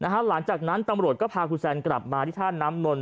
หลังจากนั้นตำรวจก็พาคุณแซนกลับมาที่ท่าน้ำนนท